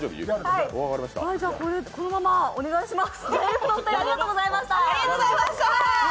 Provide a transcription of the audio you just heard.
じゃ、このままお願いします